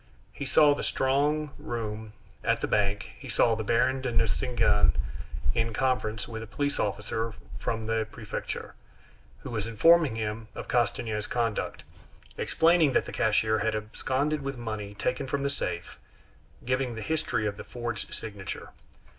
He saw the strong room at the bank; he saw the Baron de Nucingen in conference with a police officer from the prefecture, who was informing him of Castanier's conduct, explaining that the cashier had absconded with money taken from the safe, giving the history of the forged signature.